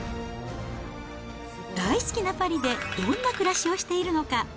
大好きなパリでどんな暮らしをしているのか。